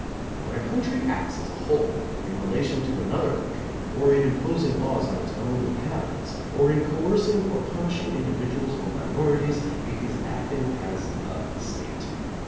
When a country acts as a whole in relation to another coutnry, or in imposing laws on its own inhabitants, or in coerc ing or punishing individuals or minorities, it is act ing as a State.